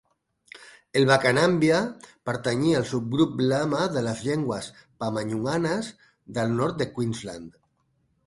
El bakanambia pertanyia al subgrup lama de les llengües pama-nyunganes del nord de Queensland.